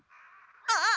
あっ！